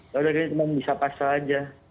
jadi cuma bisa pas saja